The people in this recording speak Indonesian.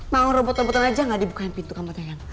mau robot robotan aja gak dibukain pintu kamu tayang